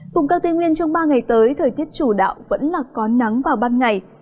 vùng cao tây nguyên trong ba ngày tới thời tiết chủ đạo vẫn là có nắng vào ban ngày